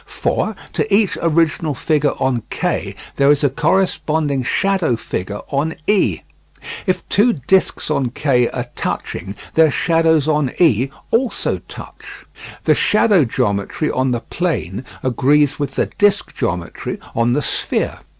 For to each original figure on K there is a corresponding shadow figure on E. If two discs on K are touching, their shadows on E also touch. The shadow geometry on the plane agrees with the the disc geometry on the sphere.